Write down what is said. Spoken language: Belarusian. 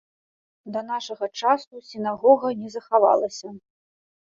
Да нашага часу сінагога не захавалася.